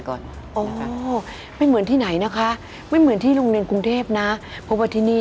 กรูผู้สืบสารล้านนารุ่นแรกแรกรุ่นเลยนะครับผม